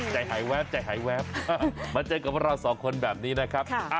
ใจหายแวบใจหายแวบมาเจอกับเราสองคนแบบนี้นะครับ